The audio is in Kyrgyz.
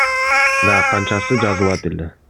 Дагы канчасы жазылат эле.